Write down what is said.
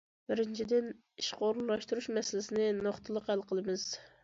بىرىنچىدىن، ئىشقا ئورۇنلاشتۇرۇش مەسىلىسىنى نۇقتىلىق ھەل قىلىمىز.